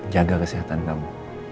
jaga kesehatan kamu